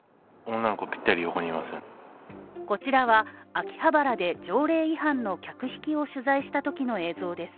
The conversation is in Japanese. こちらは、秋葉原で条例違反の客引きを取材したときの映像です。